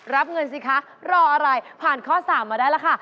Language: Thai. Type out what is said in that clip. รับเงินสิคะรออะไรผ่านข้อ๓มาได้แล้วค่ะ